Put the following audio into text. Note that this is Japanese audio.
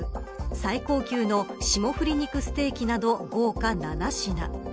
最高級の霜降り肉ステーキなど豪華７品。